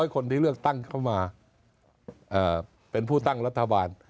คนที่เลือกตั้งเข้ามาเป็นผู้ตั้งรัฐบาล